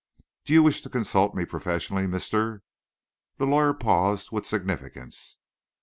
Do you wish to consult me professionally, Mr. ––––" The lawyer paused, with significance.